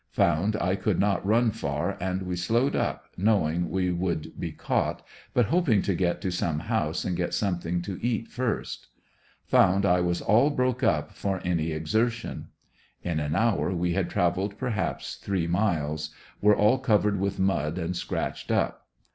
Found I could not run far and we slowed up, knowing we would be caught, but hoping to get to some house and get something to eat first. Found I was all broke up for any exertion. In an hour we had traveled perhaps three miles, were all covered with mud, and scratched up.